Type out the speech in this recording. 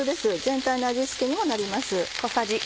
全体の味付けにもなります。